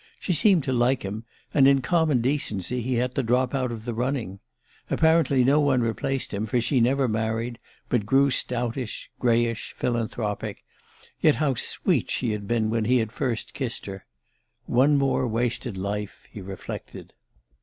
She seemed to like him, and in common decency he had to drop out of the running. Apparently no one replaced him, for she never married, but grew stoutish, grayish, philanthropic yet how sweet she had been when he had first kissed her! One more wasted life, he reflected...